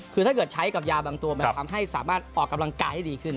คือถ้าเกิดใช้กับยาบางตัวมันทำให้สามารถออกกำลังกายให้ดีขึ้น